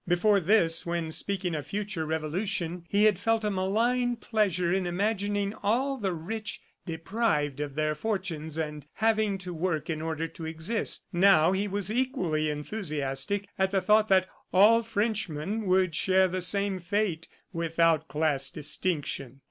Before this, when speaking of future revolution, he had felt a malign pleasure in imagining all the rich deprived of their fortunes and having to work in order to exist. Now he was equally enthusiastic at the thought that all Frenchmen would share the same fate without class distinction.